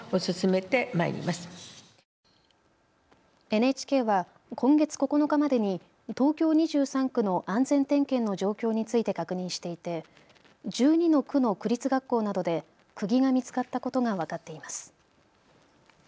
ＮＨＫは今月９日までに東京２３区の安全点検の状況について確認していて１２の区の区立学校などでくぎが見つかったことが分かっています。